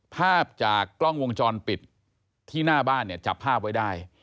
ภาพจากกล้องวงจรปิดที่หน้าบ้านเนี่ยจับภาพไว้ได้